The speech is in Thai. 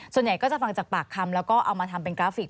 ส่วนใหญ่ก็จะฟังจากปากคำแล้วก็เอามาทำเป็นกราฟิก